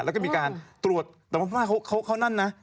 แล้วก็มีการตรวจแต่ว่าเขานั่นนะ